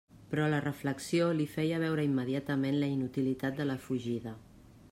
Però la reflexió li feia veure immediatament la inutilitat de la fugida.